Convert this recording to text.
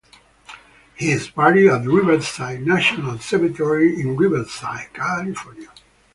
He is buried at Riverside National Cemetery in Riverside, California.